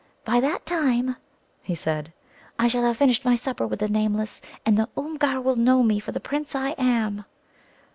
"By that time," he said, "I shall have finished my supper with the Nameless, and the Oomgar will know me for the Prince I am."